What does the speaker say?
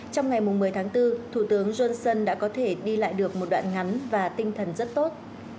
trong ngày một mươi tháng bốn thủ tướng johnson đã có thể đi lại được một đoạn ngắn và tinh thần rất tốt